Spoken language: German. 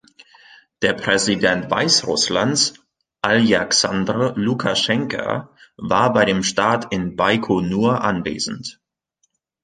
Der Präsident Weißrusslands Aljaksandr Lukaschenka war bei dem Start in Baikonur anwesend.